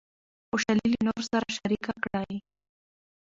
خوشحالي له نورو سره شریکه کړئ.